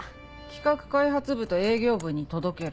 企画開発部と営業部に届ける。